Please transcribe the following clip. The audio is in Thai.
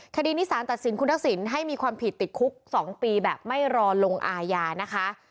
คดีนี้สารตัดสินคุณทักษิณให้มีความผิดติดคุก๒ปีแบบไม่รอลงอาญานะคะ